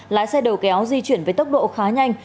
lái xe đầu kéo di chuyển với tốc độ khá nhanh